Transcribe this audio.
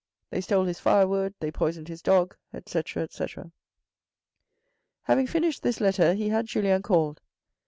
They stole his firewood, they poisoned his dog, etc., etc. Having finished this letter he had Julien called.